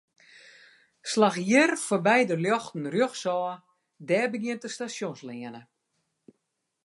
Slach hjir foarby de ljochten rjochtsôf, dêr begjint de Stasjonsleane.